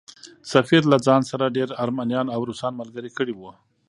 سفیر له ځان سره ډېر ارمنیان او روسان ملګري کړي وو.